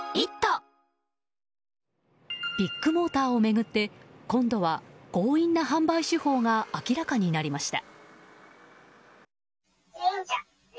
ビッグモーターを巡って今度は強引な販売手法が明らかになりました。